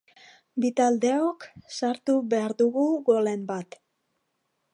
Bi taldeok sartu behar dugu golen bat.